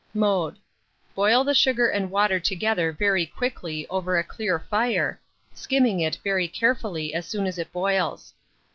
Mode. Boil the sugar and water together very quickly over a clear fire, skimming it very carefully as soon as it boils.